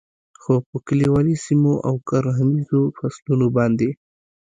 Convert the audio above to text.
خو په کلیوالي سیمو او کرهنیزو فصلونو باندې